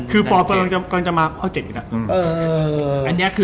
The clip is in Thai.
กำลังจะมาเปราะเจ็บอีกนัก